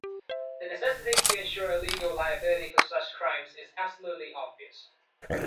The necessity to ensure legal liability for such crimes is absolutely obvious.